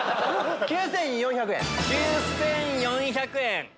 ９４００円。